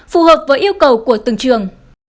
phù hợp với yêu cầu của từng trường